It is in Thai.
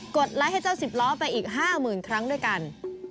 ดไลค์ให้เจ้าสิบล้อไปอีก๕๐๐๐ครั้งด้วยกัน